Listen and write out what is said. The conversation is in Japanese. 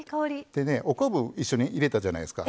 でねお昆布一緒に入れたじゃないですか。